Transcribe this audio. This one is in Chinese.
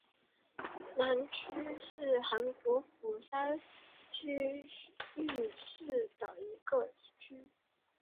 南区是韩国釜山广域市的一个区。